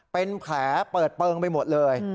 เป็นแผลเปิดเปลืองไปหมดเลย